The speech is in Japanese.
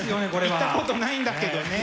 行ったことないんだけどね。